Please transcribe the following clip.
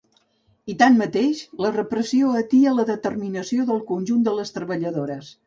I tanmateix, la repressió atia la determinació del conjunt de les treballadores.